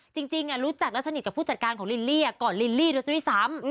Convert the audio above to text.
จริงรู้จักและสนิทกับผู้จัดการของลิลลี่ก่อนลิลลี่ด้วยซ้ำ